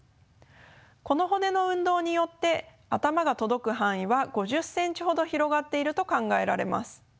この骨の運動によって頭が届く範囲は５０ｃｍほど広がっていると考えられます。